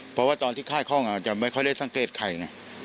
เพราะว่าตอนที่ค่ายคล่องอาจจะไม่ค่อยได้สังเกตใครนะ